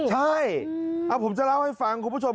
ใช่เอาผมจะเล่าให้ฟังคุณผู้ชม